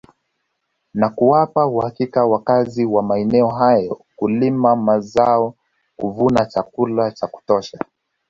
Na kuwapa uhakika wakazi wa maeneo hayo kulima mazaona kuvuna chakula cha kutosha